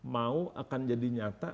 mau akan jadi nyata